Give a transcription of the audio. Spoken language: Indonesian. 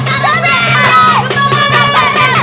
gendong gak bakaran